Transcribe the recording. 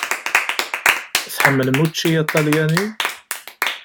Tḥemmlem učči aṭalyani?